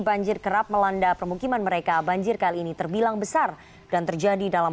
banjir kerap melanda permukiman mereka banjir kali ini terbilang besar dan terjadi dalam